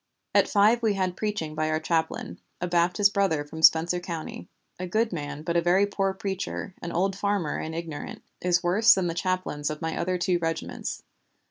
"At five we had preaching by our chaplain, a Baptist brother from Spencer County, a good man but a very poor preacher, an old farmer and ignorant; is worse than the chaplains of my other two regiments.